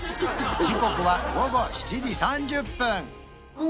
時刻は午後７時３０分あ